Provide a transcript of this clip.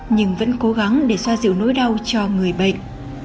nhưng vẫn cố gắng để xoa dịu nỗi đau cho người bệnh